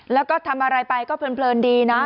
แล้วก็ทำอะไรไปก็เพลินดีนะ